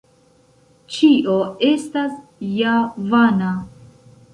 Ĉio estas ja vana.